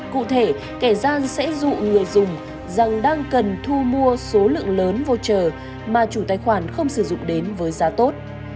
cụ thể kẻ gian sẽ dụ người dùng rằng đang cần thu mua số lượng lớn voucher mà chủ tài khoản không sử dụng đến với giá tốt